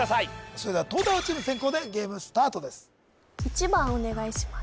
それでは東大王チーム先攻でゲームスタートです